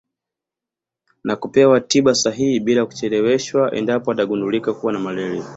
Na kupewa tiba sahihi bila kucheleweshwa endapo atagundulika kuwa na malaria